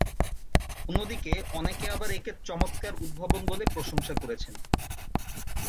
অন্যদিকে, অনেকে আবার একে চমৎকার উদ্ভাবন বলে প্রশংসা করেছেন।